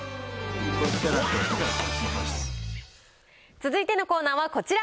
続いてのコーナーはこちら。